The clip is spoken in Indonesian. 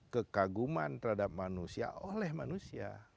kekaguman terhadap manusia oleh manusia